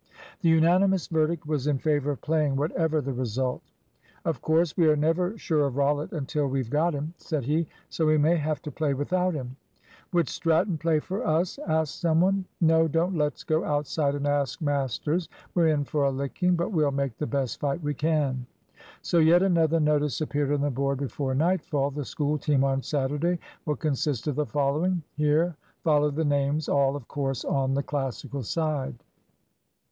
The unanimous verdict was in favour of playing, whatever the result. "Of course we are never sure of Rollitt until we've got him," said he, "so we may have to play without him." "Would Stratton play for us?" asked some one. "No, don't let's go outside and ask masters. We're in for a licking; but we'll make the best fight we can." So yet another notice appeared on the board before nightfall. "The School team on Saturday will consist of the following." (Here followed the names, all, of course, on the Classical side.)